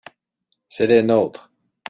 c'est les nôtres.